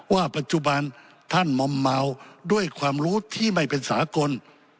ว่าปัจจุบันท่านมอมเมาด้วยความรู้ที่ไม่เป็นสากล